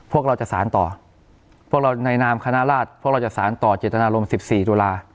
พวกเราจะสารต่อพวกเราในนามคณะราชพวกเราจะสารต่อเจตนารมณ์๑๔ตุลา